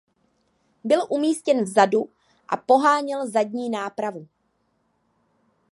Byl umístěn vzadu a poháněl zadní nápravu.